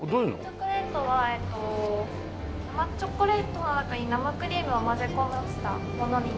チョコレートはえーっとチョコレートの中に生クリームを混ぜ込ませたものになりまして。